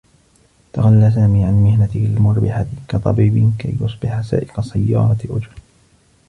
تخلّى سامي عن مهنته المربحة كطبيب كي يصبح سائق سيّارة أجرة.